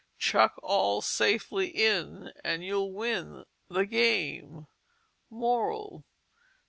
Chuck all safely in, And You'll win the Game. MORAL.